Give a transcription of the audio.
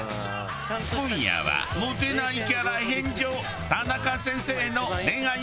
今夜はモテないキャラ返上！